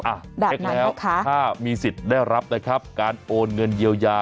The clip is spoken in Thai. เช็คแล้วถ้ามีสิทธิ์ได้รับนะครับการโอนเงินเยียวยา